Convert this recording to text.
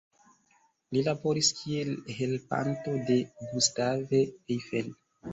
Li laboris kiel helpanto de Gustave Eiffel.